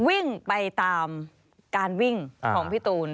วิ่งไปตามการวิ่งของพี่ตูน